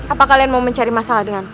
apa kalian mau mencari masalah dengan